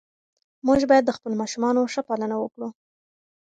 موږ باید د خپلو ماشومانو ښه پالنه وکړو.